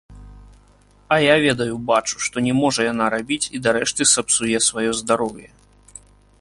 А я ведаю, бачу, што не можа яна рабіць і дарэшты сапсуе сваё здароўе.